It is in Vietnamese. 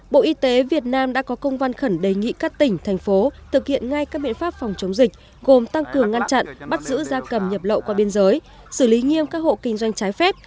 bộ y tế việt nam đã có công văn khẩn đề nghị các tỉnh thành phố thực hiện ngay các biện pháp phòng chống dịch gồm tăng cường ngăn chặn bắt giữ da cầm nhập lậu qua biên giới xử lý nghiêm các hộ kinh doanh trái phép